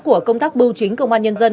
của công tác bưu chính công an nhân dân